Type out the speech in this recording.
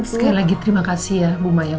sekali lagi terima kasih ya bu maya